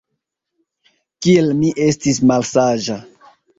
Kiel mi estis malsaĝa!